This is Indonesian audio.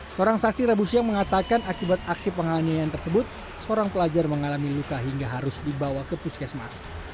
seorang saksi rebus yang mengatakan akibat aksi pengalaman yang tersebut seorang pelajar mengalami luka hingga harus dibawa ke puskesmas